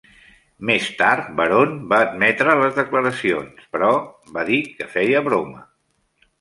Més tard, Barone va admetre les declaracions però va dir que feia broma.